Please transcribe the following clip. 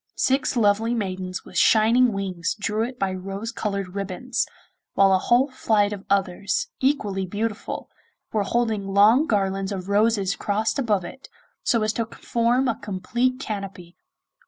Six lovely maidens with shining wings drew it by rose coloured ribbons, while a whole flight of others, equally beautiful, were holding long garlands of roses crossed above it, so as to form a complete canopy.